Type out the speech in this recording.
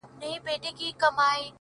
پښتنه ده آخير!